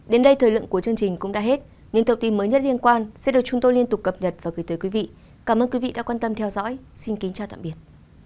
đến đây thời lượng của chương trình cũng đã hết những thông tin mới nhất liên quan sẽ được chúng tôi liên tục cập nhật và gửi tới quý vị cảm ơn quý vị đã quan tâm theo dõi xin kính chào tạm biệt